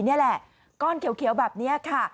นี่แหละก้อนเขียวแบบนี้ค่ะ